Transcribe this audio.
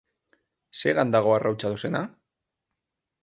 Zegan dago arrautza dozena?